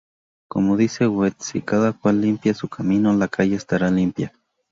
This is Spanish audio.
Como dice Goethe, "si cada cual limpia su camino, la calle estará limpia".